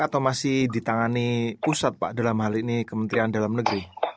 atau masih ditangani pusat pak dalam hal ini kementerian dalam negeri